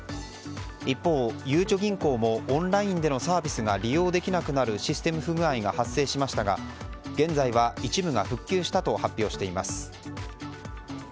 一方、ゆうちょ銀行もオンラインでのサービスが利用できなくなるシステム不具合が発生しましたが現在は一部が復旧したと発表しています。